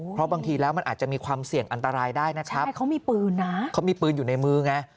เพราะบางทีแล้วมันอาจจะมีความเสี่ยงอันตรายได้นะครับใช่เขามีปืนนะเขามีปืนอยู่ในมือไง